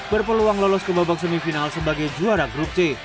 berpeluang lolos ke babak semifinal sebagai juara grup c